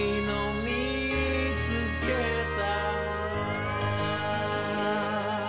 「みいつけた！」。